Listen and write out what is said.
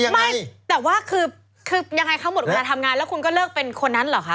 ยังไงเขาหมดกว่าราชงานแล้วคุณก็เลิกเป็นคนนั้นหรอคะ